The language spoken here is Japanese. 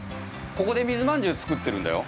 ここで水まんじゅうを作ってるんだよ。